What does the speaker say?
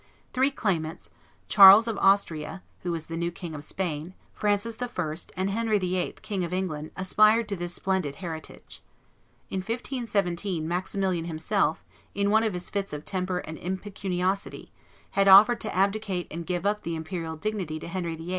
Three claimants, Charles of Austria, who was the new King of Spain, Francis I., and Henry VIII., King of England, aspired to this splendid heritage. In 1517, Maximilian himself, in one of his fits of temper and impecuniosity, had offered to abdicate and give up the imperial dignity to Henry VIII.